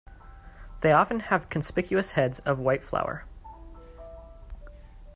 They often have conspicuous heads of white flower.